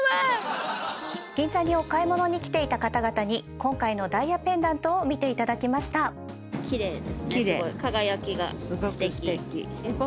銀座にお買い物に来ていた方々に今回のダイヤペンダントを見ていただきましたえ